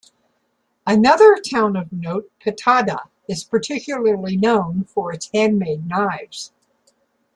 Another town of note, Pattada, is particularly known for its handmade knives.